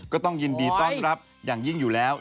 ก็ต้องยินดีต้อนรับอย่างยิ่งอยู่แล้ว